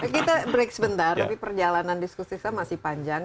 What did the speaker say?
kita break sebentar tapi perjalanan diskusi kita masih panjang